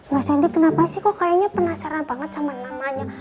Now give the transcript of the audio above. mas andi kenapa sih kok kayaknya penasaran banget sama namanya